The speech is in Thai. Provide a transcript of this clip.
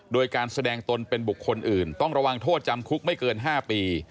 โดยการแสดงตนเป็นบุคคลอื่นต้องระวังโทษจำคุกไม่เกิน๕ปี